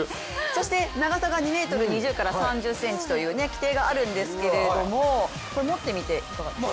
そして長さが２ｍ２０から２ｍ３０という規定があるんですけれども持ってみていかがですか。